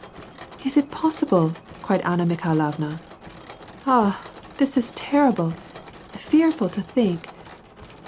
^ "Is it possible?" cried Anna Mikhailovna, "Ah! this is terrible! Fearful to think.